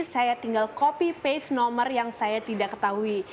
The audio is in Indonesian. saya tinggal copy paste nomor yang saya tidak ketahui